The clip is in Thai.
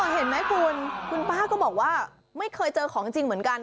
เห็นไหมคุณคุณป้าก็บอกว่าไม่เคยเจอของจริงเหมือนกัน